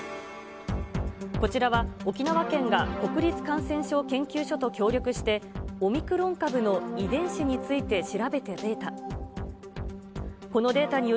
こちらは、沖縄県が国立感染症研究所と協力して、オミクロン株の遺伝子について調べたデータ。